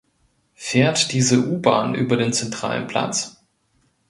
Fährt diese U-Bahn über den zentralen Platz?